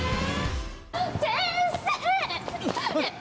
先生！